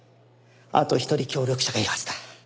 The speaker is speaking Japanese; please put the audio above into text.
あと一人協力者がいるはずだ。